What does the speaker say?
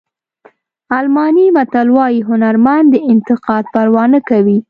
الماني متل وایي هنرمند د انتقاد پروا نه کوي.